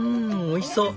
おいしそう。